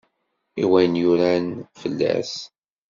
I wayen yuran fell-as?